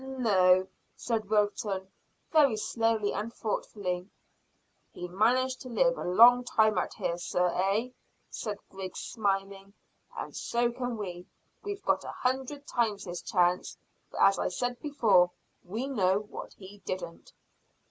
"No!" said Wilton, very slowly and thoughtfully. "He managed to live a long time out here, sir, eh?" said Griggs, smiling, "and so can we. We've got a hundred times his chance, for, as I said before, we know what he didn't."